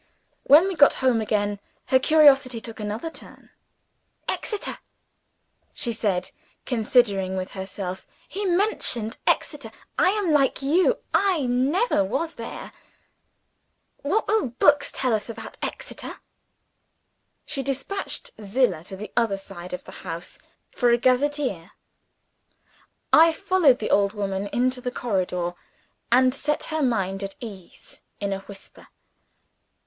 When we got home again, her curiosity took another turn. "Exeter?" she said, considering with herself. "He mentioned Exeter. I am like you I never was there. What will books tell us about Exeter?" She despatched Zillah to the other side of the house for a gazetteer. I followed the old woman into the corridor, and set her mind at ease, in a whisper.